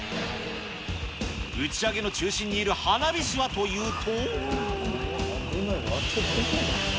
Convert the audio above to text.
打ち上げの中心にいる花火師はというと。